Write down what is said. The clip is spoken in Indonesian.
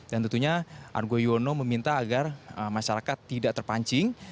dan tentunya argo yono meminta agar masyarakat tidak terpancing